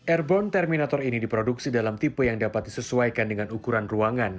airborne terminator ini diproduksi dalam tipe yang dapat disesuaikan dengan ukuran ruangan